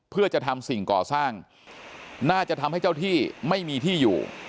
เพื่อจะทำสิ่งก่อสร้างน่าจะทำให้เจ้าที่ไม่มีที่อยู่